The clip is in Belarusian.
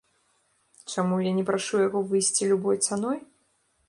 Чаму я не прашу яго выйсці любой цаной?